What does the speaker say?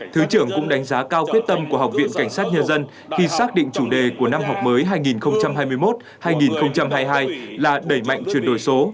thứ trưởng cũng đánh giá cao quyết tâm của học viện cảnh sát nhân dân khi xác định chủ đề của năm học mới hai nghìn hai mươi một hai nghìn hai mươi hai là đẩy mạnh chuyển đổi số